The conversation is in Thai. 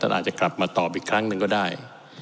อาจจะกลับมาตอบอีกครั้งหนึ่งก็ได้